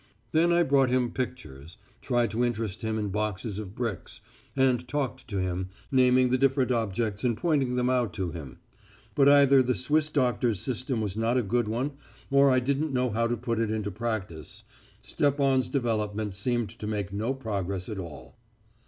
Then I brought him pictures, tried to interest him in boxes of bricks, and talked to him, naming the different objects and pointing them out to him. But either the Swiss doctor's system was not a good one or I didn't know how to put it into practice Stepan's development seemed to make no progress at all.